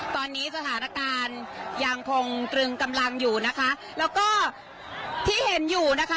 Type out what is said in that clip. ตอนนี้สถานการณ์ยังคงตรึงกำลังอยู่นะคะแล้วก็ที่เห็นอยู่นะคะ